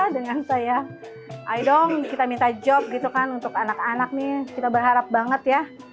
dengan saya ayo dong kita minta job gitu kan untuk anak anak nih kita berharap banget ya